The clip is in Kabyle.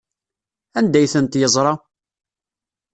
Anda ay tent-yeẓra?